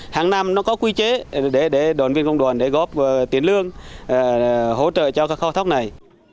hàng năm nó có quy chế để đoàn viên công đoàn để góp tiền lương hỗ trợ cho các kho thóc này